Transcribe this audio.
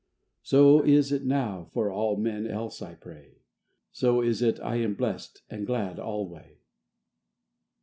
So is it now for all men else I pray; So is it I am blest and glad alway.